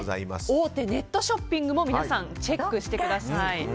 大手ネットショッピングも皆さんチェックしてください。